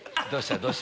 どうした？